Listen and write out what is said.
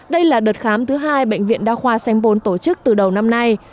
đây là đợt khám thứ hai bệnh viện đa khoa sanh bồn tổ chức từ đầu năm nay